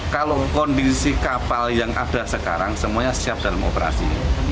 kalau kondisi kapal yang ada sekarang semuanya siap dalam operasi